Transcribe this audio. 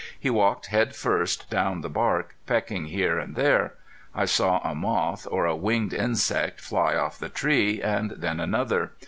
He walked head first down the bark, pecking here and there. I saw a moth or a winged insect fly off the tree, and then another.